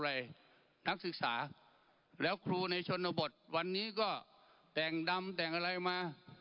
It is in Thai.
นักศึกษาแล้วครูในชนบทวันนี้ก็แต่งดำแต่งอะไรมา